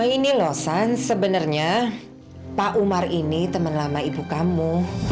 ini loh san sebenarnya pak umar ini teman lama ibu kamu